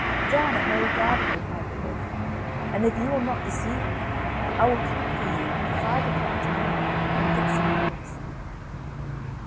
"Down at Merry garden," replied the wolf, "and if you will not deceive me I will come for you, at five o'clock tomorrow and get some apples."